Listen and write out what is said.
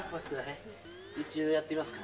一応やってみますか。